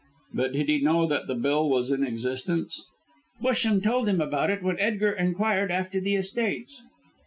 "How did he know that the bill was in existence?" "Busham told him about it, when Edgar inquired after the estates.